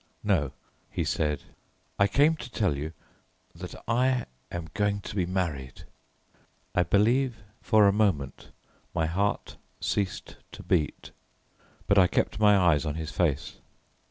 "No," he said, "I came to tell you that I am going to be married." I believe for a moment my heart ceased to beat, but I kept my eyes on his face.